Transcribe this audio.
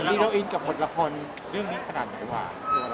แล้วที่เราอินกับผลผลเรื่องนี้ขนาดไหนว่า